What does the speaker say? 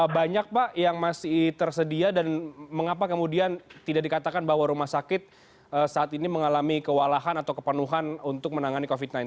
banyak pak yang masih tersedia dan mengapa kemudian tidak dikatakan bahwa rumah sakit saat ini mengalami kewalahan atau kepenuhan untuk menangani covid sembilan belas